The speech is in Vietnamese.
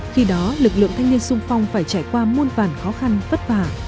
khi đó lực lượng thanh niên sung phong phải trải qua muôn vàn khó khăn vất vả